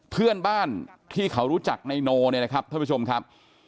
เพื่อนบ้านที่เขารู้จักนายโนเนี่ยนะครับท่านผู้ชมครับ